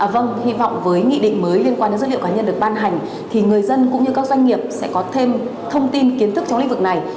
vâng hy vọng với nghị định mới liên quan đến dữ liệu cá nhân được ban hành thì người dân cũng như các doanh nghiệp sẽ có thêm thông tin kiến thức trong lĩnh vực này